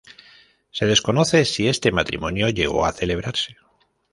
Se desconoce si este matrimonio llegó a celebrarse.